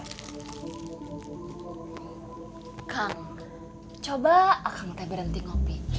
kang coba aku berhenti kopi